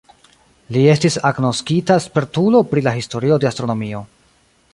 Li estis agnoskita spertulo pri la historio de astronomio.